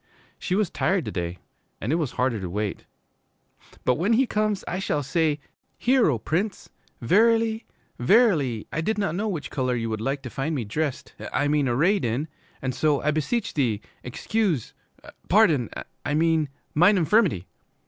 She was tired to day and it was harder to wait. 'But when he comes I shall say, "Hear, O Prince. Verily, verily, I did not know which color you would like to find me dressed I mean arrayed in, and so I beseech thee excuse pardon, I mean, mine infirmity."'